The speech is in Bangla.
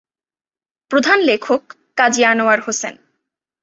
প্রধান লেখক কাজী আনোয়ার হোসেন।